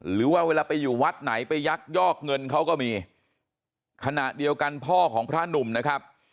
หรือว่าเวลาไปอยู่วัดไหนไปยักยอกเงินเขาก็มีขณะเดียวกันพ่อของพระหนุ่มนะครับ